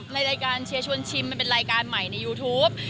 รายการเชียร์ชวนชิมมันเป็นรายการใหม่ในยูทูป